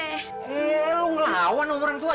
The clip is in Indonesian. eh lu ngelawan sama orang tua